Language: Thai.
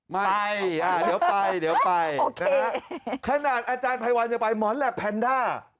ไม่เดี๋ยวไปนะครับขนาดอาจารย์ไพวันจะไปหมอนแล็บแพนด้า